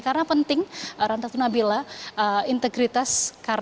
karena penting rantas nabila integritas